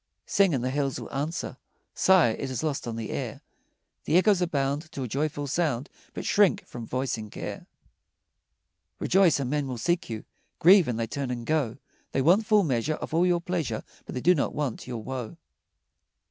Sing, and the hills will answer; Sigh, it is lost on the air; The echoes bound To a joyful sound, But shrink from voicing care. Rejoice, and men will seek you; Grieve, and they turn and go; They want full measure Of all your pleasure, But they do not want your woe.